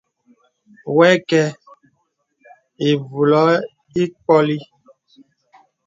Wə̀kə̄ə̄ ìvùlɔ̄ɔ̄ ì ǐkpɔ̄li.